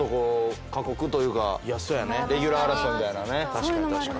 確かに確かに。